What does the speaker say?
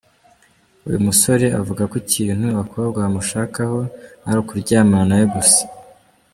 Uyu musore avuga ko ikintu abakobwa bamushakaho ari ukuryamana nawe gusa.